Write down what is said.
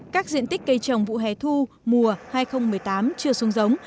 các diện tích cây trồng vụ hè thu mùa hai nghìn một mươi tám chưa xuống giống